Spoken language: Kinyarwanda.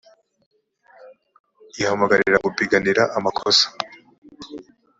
ihamagarira gupiganira amakosa.